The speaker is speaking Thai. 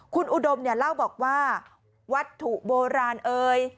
คุณอุดมเนี่ยเล่าบอกว่าวัตถุโบราณเอ่ย